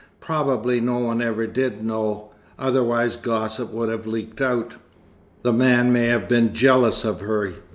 Probably no one ever did know, otherwise gossip would have leaked out. The man may have been jealous of her.